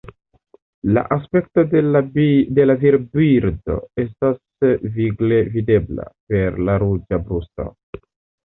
La aspekto de la virbirdo estas vigle videbla, per la ruĝa brusto.